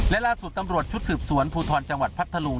และล่าสุดตำรวจชุดสืบสวนภูทรจังหวัดพัทธลุง